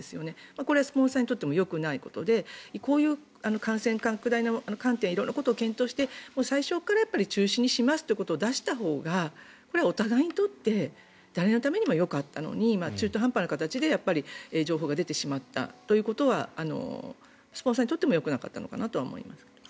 これはスポンサーにとってもよくないわけでこういう感染拡大の観点色々なことを検討して最初から中止にしますと出したほうが、お互いにとって誰のためにもよかったのに中途半端な形で情報が出てしまったということはスポンサーにとってもよくなかったのかなと思います。